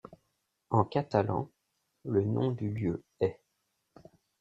En catalan, le nom du lieu est '.